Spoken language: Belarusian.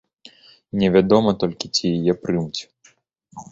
Невядома толькі ці яе прымуць.